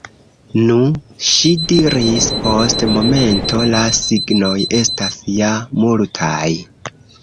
Nu, ŝi diris post momento, la signoj estas ja multaj.